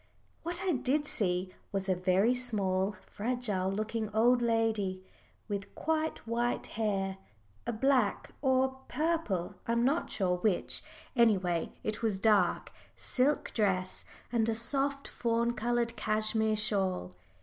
What I did see was a very small, fragile looking old lady, with quite white hair, a black or purple I am not sure which, anyway it was dark silk dress, and a soft fawn coloured cashmere shawl.